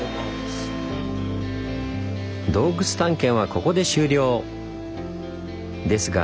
洞窟探検はここで終了！